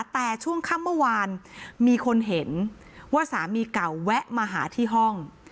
แต่ช่วงค่ำเมื่อวานมีคนเห็นว่าสามีเก่าแวะมาหาที่ห้อง